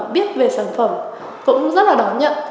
biết về sản phẩm cũng rất là đón nhận